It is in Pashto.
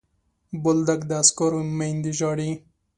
بولدک د عسکرو میندې ژاړي.